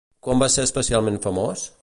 Quan va ser especialment famós?